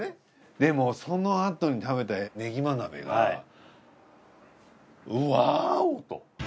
でもそのあとに食べたねぎま鍋がうわぁおと。